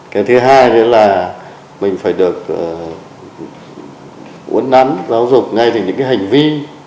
cái thứ hai là mình phải được uốn nắn giáo dục ngay từ những hành vi